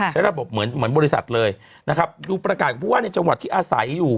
ใช้ระบบเหมือนเหมือนบริษัทเลยนะครับดูประกาศของผู้ว่าในจังหวัดที่อาศัยอยู่